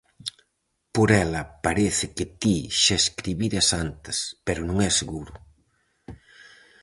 Por ela parece que ti xa escribiras antes, pero non é seguro.